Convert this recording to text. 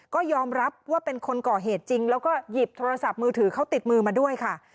ก็ยอมรับว่าเป็นคนก่อเหตุจริงแล้วก็หยิบโทรศัพท์มือถือเขาติดมือมาด้วยค่ะ